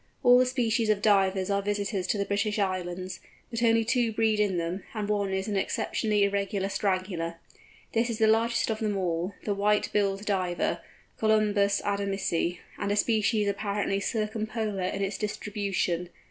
All the species of Divers are visitors to the British Islands, but only two breed in them, and one is an exceptionally irregular straggler. This is the largest of them all, the White billed Diver, Colymbus adamsi, and a species apparently circumpolar in its distribution.